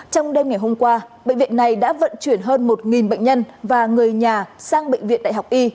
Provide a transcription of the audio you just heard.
trong đêm ngày hôm qua bệnh viện này đã vận chuyển hơn một bệnh nhân và người nhà sang bệnh viện đại học y